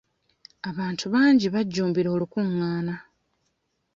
Abantu bangi bajjumbira olukungaana.